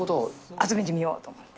集めてみようと思って。